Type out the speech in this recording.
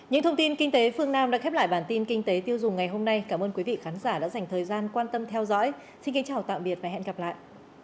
những thông tin kinh tế phương nam đã khép lại bản tin kinh tế tiêu dùng ngày hôm nay cảm ơn quý vị khán giả đã dành thời gian quan tâm theo dõi xin kính chào tạm biệt và hẹn gặp lại